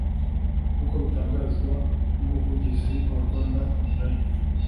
nk’uko bitangazwa n’umuvugizi wa Rwanda Online